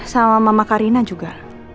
sama mama karina juga